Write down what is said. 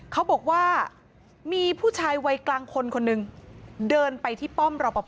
เขาบอกว่ามีผู้ชายวัยกลางคนคนหนึ่งเดินไปที่ป้อมรอปภ